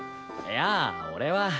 いや俺は。